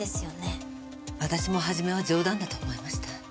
私も初めは冗談だと思いました。